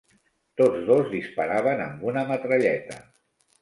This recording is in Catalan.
Tots dos disparaven amb una metralleta.